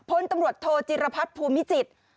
พลตำรวจโทจิรพัฒน์ภูมิจิตร